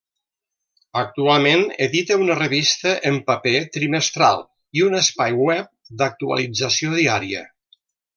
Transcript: Actualment edita una revista en paper trimestral i un espai web d'actualització diària.